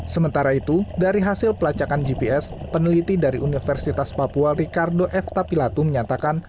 sementara itu dari hasil pelacakan gps peneliti dari universitas papua ricardo efta pilatu menyatakan